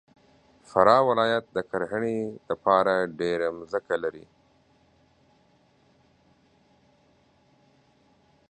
فراه ولایت د کرهنې دپاره ډېره مځکه لري.